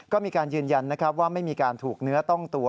ก็มีการยืนยันนะครับว่าไม่มีการถูกเนื้อต้องตัว